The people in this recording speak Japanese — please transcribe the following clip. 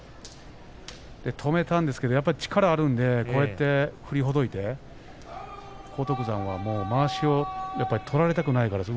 止めたんですけれども力があるので振りほどいて荒篤山はまわしを取られたくないから。